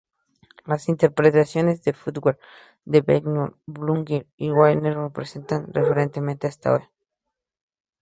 Las interpretaciones de Furtwängler de Beethoven, Bruckner y Wagner permanecen referenciales hasta hoy.